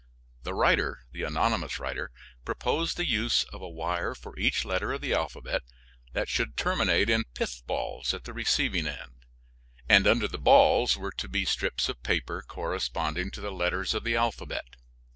The writer proposed the use of a wire for each letter of the alphabet, that should terminate in pith balls at the receiving end, and under the balls were to be strips of paper corresponding to the letters of the alphabet.